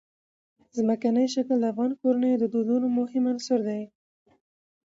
ځمکنی شکل د افغان کورنیو د دودونو مهم عنصر دی.